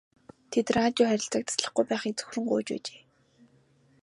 Тэд радио харилцааг таслахгүй байхыг цөхрөн гуйж байжээ.